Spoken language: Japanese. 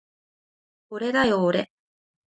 おれだよおれ